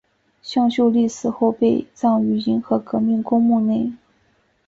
向秀丽死后被葬于银河革命公墓内。